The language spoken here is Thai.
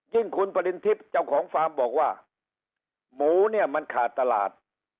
คุณปริณทิพย์เจ้าของฟาร์มบอกว่าหมูเนี่ยมันขาดตลาด